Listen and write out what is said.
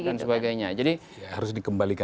dan sebagainya jadi harus dikembalikan